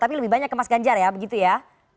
tapi lebih banyak ke mas ganjar ya begitu ya